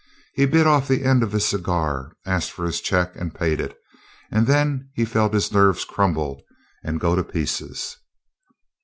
He bit off the end of his cigar, asked for his check, and paid it, and then felt his nerves crumble and go to pieces.